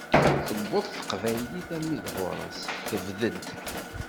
Tewweḍ teqbaylit armi d ɣur-s, tebded.